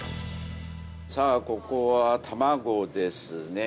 さあここは卵ですね。